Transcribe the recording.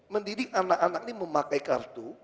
mendidik anak anak ini memakai kartu